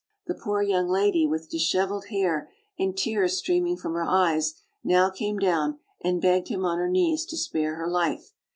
The poor young lady, with disheveled hair and tears streaming from her eyes, now came down, and begged him on her knees to spare her life.